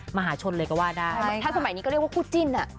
มหาชนเลยก็ว่าได้ถ้าสมัยนี้ก็เรียกว่าคู่จิ้นอ่ะ